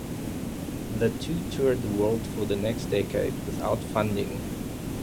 The two toured the world for the next decade without funding.